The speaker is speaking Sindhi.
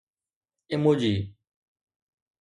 ايموجي